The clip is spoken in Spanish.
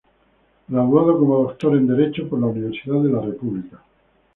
Graduado como Doctor en Derecho por la Universidad de la República.